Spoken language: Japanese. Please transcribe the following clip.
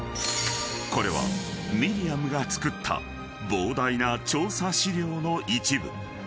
［これはミリアムが作った膨大な調査資料の一部］